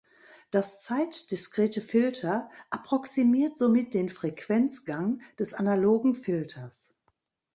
Das zeitdiskrete Filter approximiert somit den Frequenzgang des analogen Filters.